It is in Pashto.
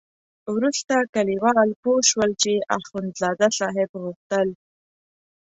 وروسته کلیوال پوه شول چې اخندزاده صاحب غوښتل.